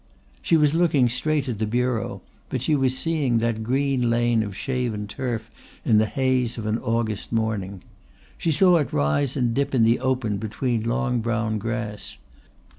She was looking straight at the bureau, but she was seeing that green lane of shaven turf in the haze of an August morning. She saw it rise and dip in the open between long brown grass.